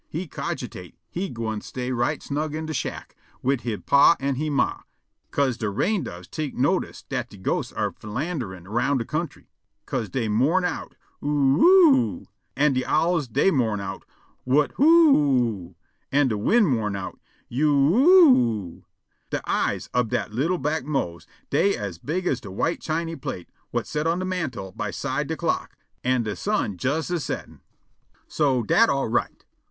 He cogitate he gwine stay right snug in de shack wid he pa an' he ma, 'ca'se de rain doves tek notice dat de ghosts are philanderin' roun' de country, 'ca'se dey mourn out, "Oo oo o o o!" an' de owls dey mourn out, "Whut whoo o o o!" an' de wind mourn out, "You you o o o!" De eyes ob dat li'l' black Mose dey as big as de white chiny plate whut set on de mantel by side de clock, an' de sun jes a settin'. So dat all right.